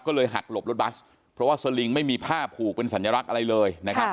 ก็เลยหักหลบรถบัสเพราะว่าสลิงไม่มีผ้าผูกเป็นสัญลักษณ์อะไรเลยนะครับ